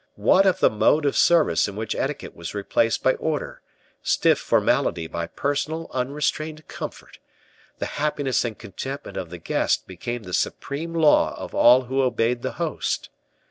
What of the mode of service in which etiquette was replaced by order; stiff formality by personal, unrestrained comfort; the happiness and contentment of the guest became the supreme law of all who obeyed the host?